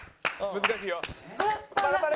難しいよ。